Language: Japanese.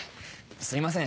すいません